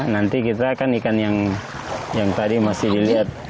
nanti kita akan ikan yang tadi masih dilihat